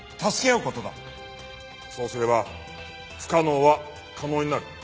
そうすれば不可能は可能になる。